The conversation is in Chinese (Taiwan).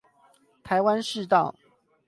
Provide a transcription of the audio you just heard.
臺灣市道